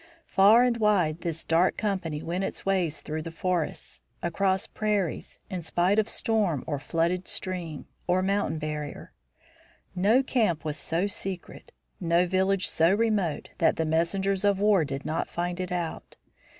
Far and wide this dark company went its way through forests, across prairies, in spite of storm or flooded stream, or mountain barrier. No camp was so secret, no village so remote, that the messengers of war did not find it out.